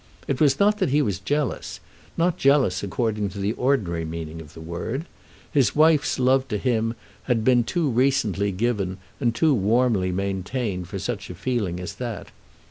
It was not that he was jealous, not jealous according to the ordinary meaning of the word. His wife's love to himself had been too recently given and too warmly maintained for such a feeling as that.